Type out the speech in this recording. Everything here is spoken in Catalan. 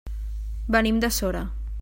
Venim de Sora.